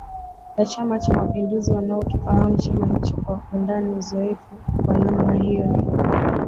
ya Chama cha mapinduzi wanaokifahamu chama hicho kwa undani Uzoefu wa namna hiyo ni